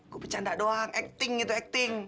gue bercanda doang acting gitu acting